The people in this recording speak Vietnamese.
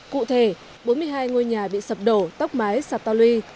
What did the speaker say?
cụ thể bốn mươi hai ngôi nhà bị sập đổ tóc mái sạp to lui